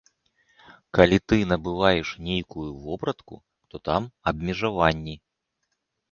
Калі ты набываеш нейкую вопратку, то там абмежаванні.